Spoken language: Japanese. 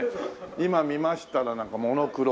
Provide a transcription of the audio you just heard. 今見ましたらなんかモノクロ。